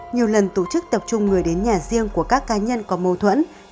nhiều lần tổ chức tập trung người đến nhà riêng của các cá nhân có mâu thuẫn